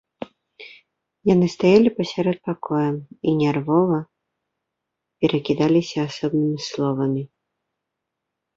Яны стаялі пасярод пакоя і нервова перакідаліся асобнымі словамі.